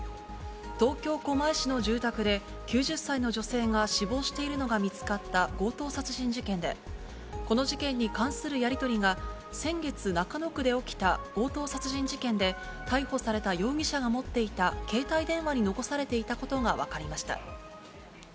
東京・狛江市の住宅で、９０歳の女性が死亡しているのが見つかった強盗殺人事件で、この事件に関するやり取りが先月、中野区で起きた強盗殺人事件で、逮捕された容疑者が持っていた携帯電話に残されていたことが分かりました。